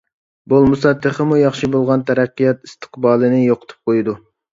بولمىسا تېخىمۇ ياخشى بولغان تەرەققىيات ئىستىقبالىنى يوقىتىپ قويىدۇ.